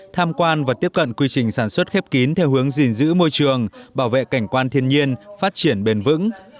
tham quan và tiếp cận quy trình sản xuất khép kín theo hướng gìn giữ môi trường bảo vệ cảnh quan thiên nhiên phát triển bền vững